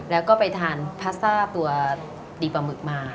แล้วก็ไปทานพลาซ่าตัวดีปลาหมึกมา